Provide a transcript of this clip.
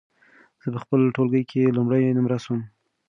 زه په خپل ټولګي کې لومړی نمره سوم.